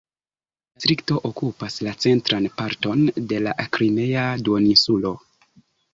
La distrikto okupas la centran parton de la Krimea duoninsulo.